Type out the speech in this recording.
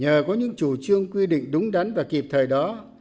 nhờ có những chủ trương quy định đúng đắn và kịp thời đó